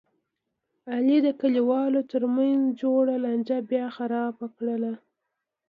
علي د کلیوالو ترمنځ جوړه لانجه بیا خرابه کړله.